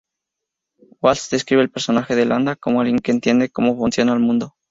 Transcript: Waltz describe el personaje de Landa como alguien que "entiende cómo funciona el mundo".